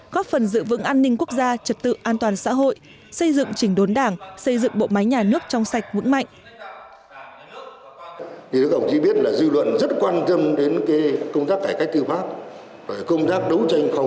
góp phần giữ vững an ninh quốc gia trật tự an toàn xã hội xây dựng chỉnh đốn đảng xây dựng bộ máy nhà nước trong sạch vững mạnh